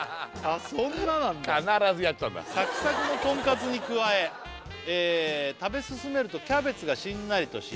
そんななんだ必ずやっちゃうんだ「サクサクのトンカツに加え」「食べ進めるとキャベツがしんなりとし」